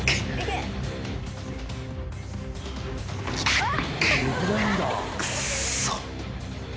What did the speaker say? あっ！